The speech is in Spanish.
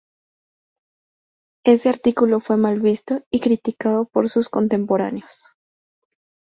Ese artículo fue mal visto y criticado por sus contemporáneos.